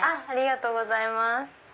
ありがとうございます。